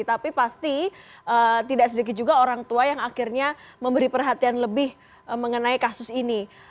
tapi pasti tidak sedikit juga orang tua yang akhirnya memberi perhatian lebih mengenai kasus ini